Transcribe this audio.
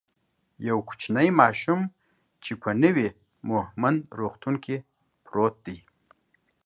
یو کوچنی ماشوم چی په نوی مهمند روغتون کی پروت دی